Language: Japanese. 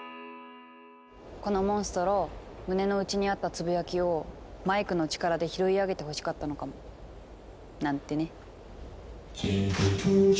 このモンストロ胸の内にあったつぶやきをマイクの力で拾い上げてほしかったのかも。なんてね。